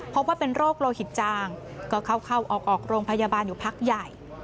พบว่าเป็นโรคโลหิตจางก็เข้าออกโรงพยาบาลอยู่พักใหญ่